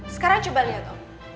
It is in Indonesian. sekarang coba lihat om